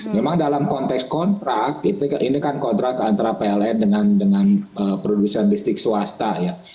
memang dalam konteks kontrak ini kan kontrak antara pln dengan produsen listrik swasta ya